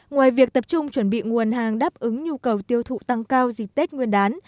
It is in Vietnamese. ngoài việc tập trung chuẩn bị nguồn hàng đáp ứng nhu cầu tiêu thụ tăng cao dịp tết nguyên đán